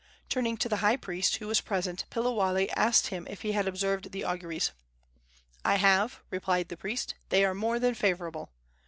Turning to the high priest, who was present, Piliwale asked him if he had observed the auguries. "I have," replied the priest. "They are more than favorable."